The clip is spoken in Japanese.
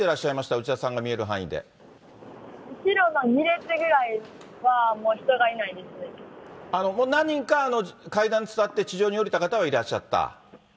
内田さんが見ている範囲後ろの２列ぐらいは人がいな何人か、階段伝って地上に下りた方はいらっしゃった？